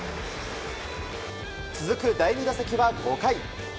続く第２打席は５回。